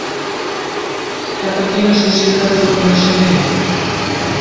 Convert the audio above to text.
Cap a quina Societat del Coneixement?